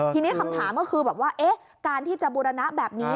ทีนี้คำถามก็คือแบบว่าการที่จะบูรณะแบบนี้